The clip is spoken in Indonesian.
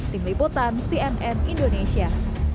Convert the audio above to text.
tim liputan cnn indonesia